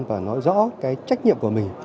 và nói rõ cái trách nhiệm của mình